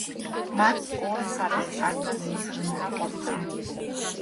მათს ორ მხარეს პარნასის მთა ყოფდა.